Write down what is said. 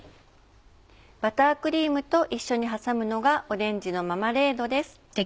バタークリームと一緒に挟むのがオレンジのママレードです。